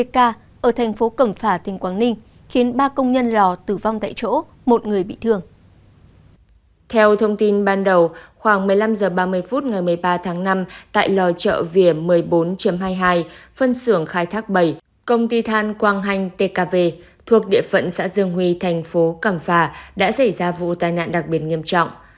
kênh ban đầu khoảng một mươi năm h ba mươi phút ngày một mươi ba tháng năm tại lò chợ vỉa một mươi bốn hai mươi hai phân xưởng khai thác bảy công ty than quang hanh tkv thuộc địa phận xã dương huy thành phố cẩm phà đã xảy ra vụ tai nạn đặc biệt nghiêm trọng